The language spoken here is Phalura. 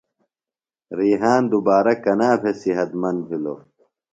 ریحان دُبارہ کنا بھےۡ صحت مند بِھلوۡ؟